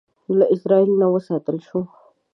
له ازرائیل نه وساتل شو.